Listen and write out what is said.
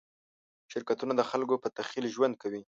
شرکتونه د خلکو په تخیل ژوند کوي.